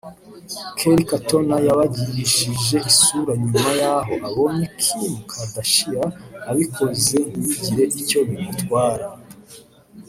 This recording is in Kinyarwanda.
Kerry Katona yibagishije isura nyuma y’aho abonye Kim Kardashian abikoze ntibigire icyo bimutwara